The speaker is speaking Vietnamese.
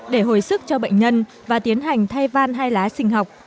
để hồi sức cho bệnh nhân và tiến hành thay van hai lá sinh học